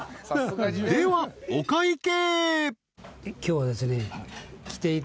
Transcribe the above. ［ではお会計］